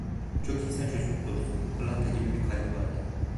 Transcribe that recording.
Çok insan çocuktu doğrusu, pırlanta gibi bir kalbi vardı.